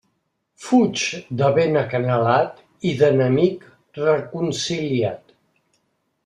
Fuig de vent acanalat i d'enemic reconciliat.